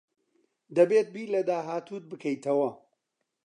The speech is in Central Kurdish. دەبێت بیر لە داهاتووت بکەیتەوە.